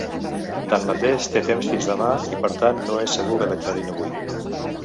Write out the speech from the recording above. Tanmateix, té temps fins demà i per tant, no és segur que declarin avui.